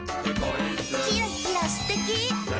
「キラキラすてき！」